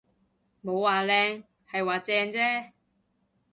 冇話靚，係話正啫